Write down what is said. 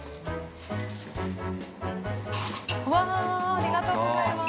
◆ありがとうございます。